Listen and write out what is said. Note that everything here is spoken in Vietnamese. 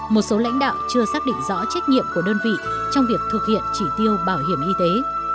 một số lãnh đạo chưa xác định rõ trách nhiệm của đơn vị trong việc thực hiện chỉ tiêu bảo hiểm y tế